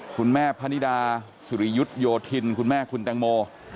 คุณแม่พนิดาสุริยุทธโยธินคุณแม่คุณแตงโม